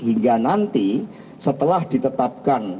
hingga nanti setelah ditetapkan